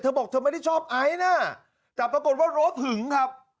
บอกเธอไม่ได้ชอบไอซ์นะแต่ปรากฏว่ารถหึงครับ